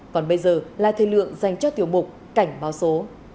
còn bây giờ là thời lượng dành cho tiểu mục cảnh báo số